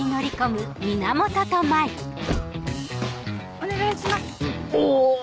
お願いしますおぉ。